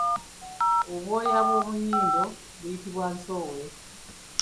Obwoya bw’omunnyindo buyitibwa Nsowe.